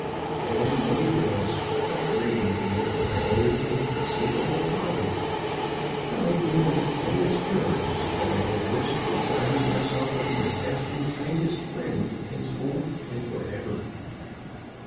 There the money was, upbraiding me with my own inconceivable folly, telling me in the plainest terms that I had risked depriving myself of my best and kindest friend henceforth and forever.